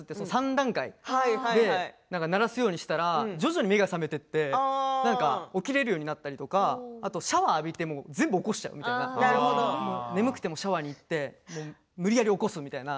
３段階、鳴らすようにしたら徐々に目が覚めていって起きられるようになったりとかシャワーを浴びて全部起こしちゃうみたいな眠くてもシャワーに行って無理やり起こすみたいな。